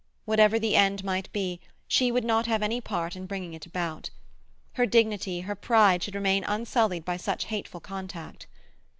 Whatever the end might be, she would have no part in bringing it about. Her dignity, her pride, should remain unsullied by such hateful contact.